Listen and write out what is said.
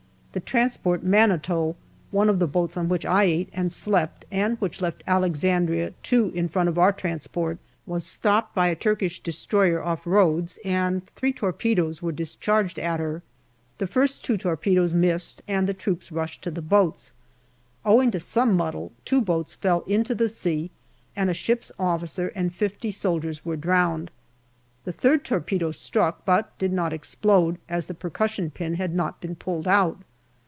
The transport Manitou, one of the boats on which I ate and slept, and which left Alex andria two in front of our transport, was stopped by a Turkish destroyer off Rhodes and three torpedoes were discharged at her. The first two torpedoes missed and the troops rushed to the boats. Owing to some muddle, two boats fell into the sea and a ship's officer and fifty soldiers were drowned. The third torpedo struck, but did not explode, as the percussion pin had not been pulled out.